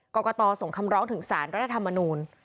กรกตส่งคำร้องถึงสารรัฐธรรมนูล